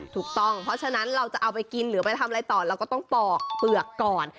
ถูกต้องเพราะฉะนั้นเราจะเอาไปกินหรือไปทำอะไรต่อเราก็ต้องปอกเปลือกก่อน